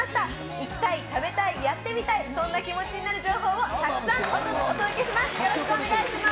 行きたい、食べたい、やってみたい、そんな気持ちになる情報を、たくさんお届けします。